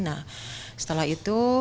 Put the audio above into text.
nah setelah itu